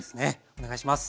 お願いします。